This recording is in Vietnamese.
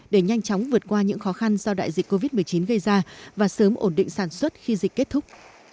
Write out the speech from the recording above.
để nhanh chóng vượt qua những khó khăn do đại dịch covid một mươi chín gây ra và sớm ổn định sản xuất khi dịch kết thúc